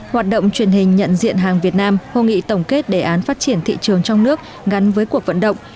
hoạt động truyền hình nhận diện hàng việt nam hội nghị tổng kết đề án phát triển thị trường trong nước gắn với cuộc vận động